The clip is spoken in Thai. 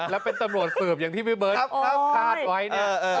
แล้วเป็นตำรวจสืบอย่างที่พี่เบิร์ตคาดไว้เนี่ย